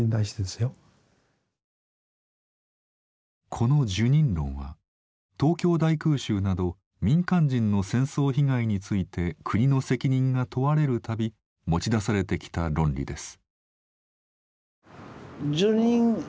この「受忍論」は東京大空襲など民間人の戦争被害について国の責任が問われる度持ち出されてきた論理です。